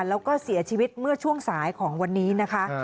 แล้วก็เสียชีวิตเมื่อช่วงสายของวันนี้นะคะ